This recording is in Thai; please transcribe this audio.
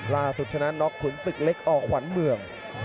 ล่าสุดชนะน็อกขุนสึกเล็กออกขวานเมือง